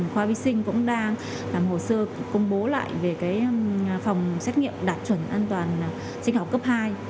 khoa vi sinh cũng đang làm hồ sơ công bố lại về phòng xét nghiệm đạt chuẩn an toàn sinh học cấp hai